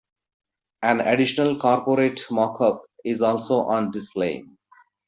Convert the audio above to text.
An additional corporate mock-up is also on display.